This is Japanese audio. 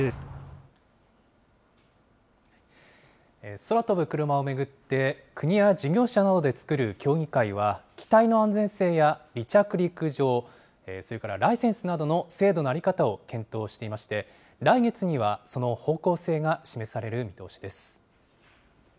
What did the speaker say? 空飛ぶクルマを巡って、国や事業者などで作る協議会は、機体の安全性や離着陸場、それからライセンスなどの制度の在り方を検討していまして、来月にはその方向性が示される見通しです。